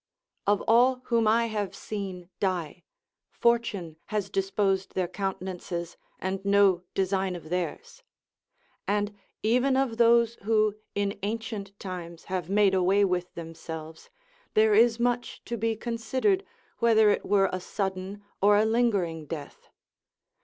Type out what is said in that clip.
Of all whom I have seen die, fortune has disposed their countenances and no design of theirs; and even of those who in ancient times have made away with themselves, there is much to be considered whether it were a sudden or a lingering death.